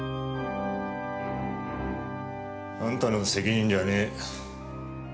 あんたの責任じゃねえ。